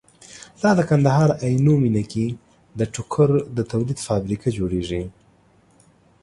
دا د کندهار عينو مينه کې ده ټوکر د تولید فابريکه جوړيږي